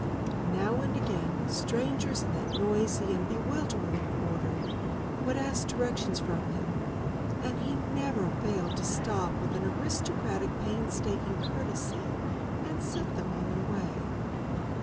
Now and again, strangers in that noisy and bewildering quarter would ask direction from him, and he never failed to stop with an aristocratic painstaking courtesy and set them on their way.